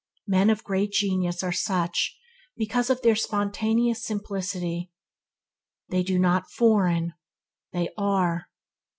Men of great genius are such because of their spontaneous simplicity. They do not foreign; they are.